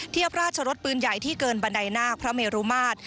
เทียบราชรสปืนใหญ่ที่เกินบันไดนาคพระเมรุมาตร